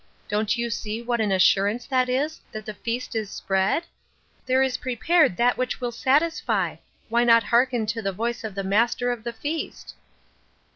Don't you see what an assur ance that is, that the feast is spread ? There is prepared that which will satisfy ; why not hearken to the voice of the Master of the feast?"